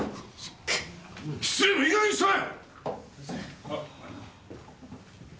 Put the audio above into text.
失礼もいいかげんにしたまえ！！